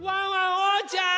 おうちゃん！